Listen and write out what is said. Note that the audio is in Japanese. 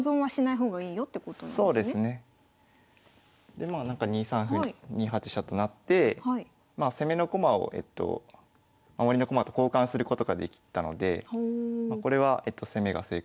でまあなんか２三歩２八飛車となって攻めの駒を守りの駒と交換することができたのでこれは攻めが成功してるといえます。